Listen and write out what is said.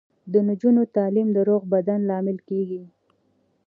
د نجونو تعلیم د روغ بدن لامل کیږي.